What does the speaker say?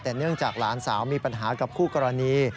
แต่เนื่องจากหลานสาวมีปัญหากับคู่กรณี